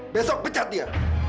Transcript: besok pecat dia